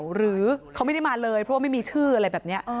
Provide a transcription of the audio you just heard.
หรือเขาไม่ได้มาเลยเพราะว่าไม่มีชื่ออะไรแบบนี้